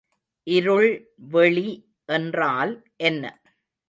இருள் வெளி என்றால் என்ன?